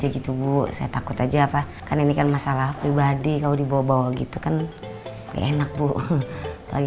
gitu bu saya takut aja apa kan ini kan masalah pribadi kalau dibawa bawa gitu kan enak bu lagi